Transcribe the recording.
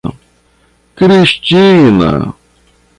Cristina